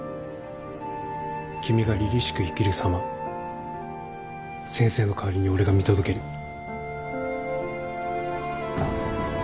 君がりりしく生きるさま先生の代わりに俺が見届ける。